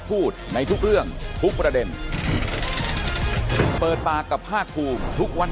พูดในประยุทธ์